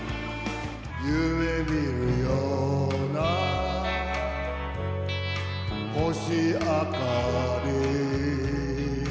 「夢見るような星あかり」